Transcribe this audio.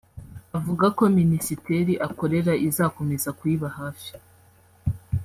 avuga ko Minisiteri akorera izakomeza kuyiba hafi